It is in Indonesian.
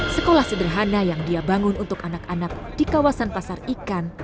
sekolah sederhana yang dia bangun untuk anak anak di kawasan pasar ikan